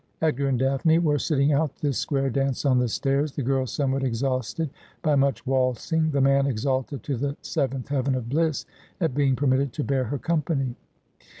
Edgar and Daphne were sitting out this square dance on the stairs, the girl somewhat exhausted by much waltzing, the man exalted to the seventh heaven of bliss at being permitted to bear her company.